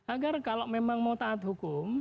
agar kalau memang mau taat hukum